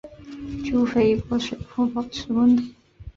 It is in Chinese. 煮沸一锅水后保持温度。